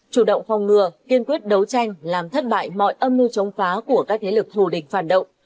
chủ động phòng ngừa kiên quyết đấu tranh làm thất bại mọi âm mưu chống phá của các thế lực thù địch phản động